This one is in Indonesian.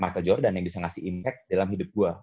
michael jordan yang bisa ngasih impact dalam hidup gue